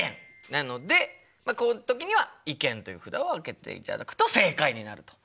なのでこういう時には意見という札を上げていただくと正解になると。